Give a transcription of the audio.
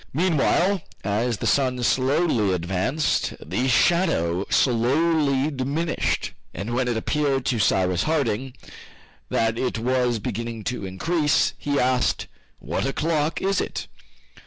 Meanwhile as the sun slowly advanced, the shadow slowly diminished, and when it appeared to Cyrus Harding that it was beginning to increase, he asked, "What o'clock is it?"